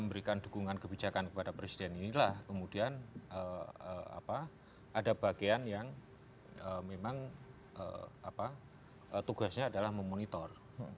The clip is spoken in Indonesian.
memberikan dukungan kebijakan kepada presiden inilah kemudian ada bagian yang memang tugasnya adalah memonitor